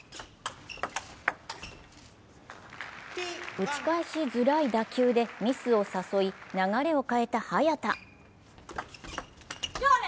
打ち返しづらい打球でミスを誘い、流れを変えた早田。